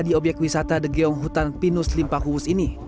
di obyek wisata degeong hutan pinus limpah hulus ini